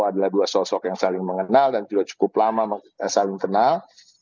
adalah dua sosok yang saling mengenal dan juga cukup lama saling kenal